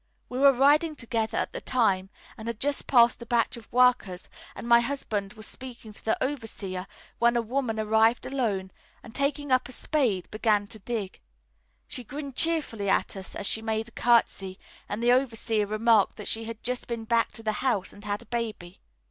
We were riding together at the time, and had just passed a batch of workers, and my husband was speaking to the overseer, when a woman arrived alone, and taking up a spade, began to dig. She grinned cheerfully at us as she made a curtesy, and the overseer remarked that she had just been back to the house and had a baby.